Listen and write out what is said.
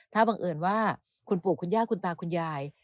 ถ้าบังเอิญว่าคุณปู่คุณย่าคุณตาคุณยาย